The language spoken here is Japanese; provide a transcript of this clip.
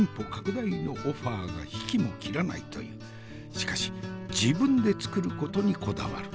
しかし自分で作ることにこだわる。